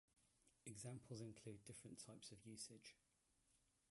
Examples include different types of usage.